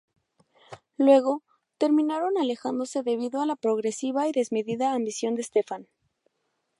Luego, terminaron alejándose debido a la progresiva y desmedida ambición de Stefan.